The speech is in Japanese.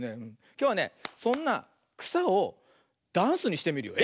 きょうはねそんなくさをダンスにしてみるよ。